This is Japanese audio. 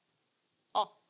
あっ。